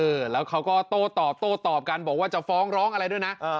แล้วเขาก็โต้ตอบโต้ตอบกันบอกว่าจะฟ้องร้องอะไรด้วยนะ